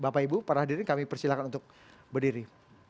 bapak ibu para hadirin kami persilahkan untuk berdiri